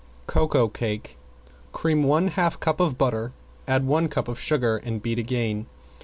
~COCOA CAKE~ Cream one half cup of butter, add one cup of sugar, and beat again.